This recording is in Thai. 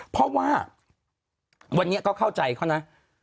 เพราะว่าวันนี้ก็เข้าใจเขานะ